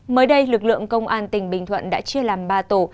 mới đây lực lượng công an tỉnh bình thuận đã chia làm ba tổ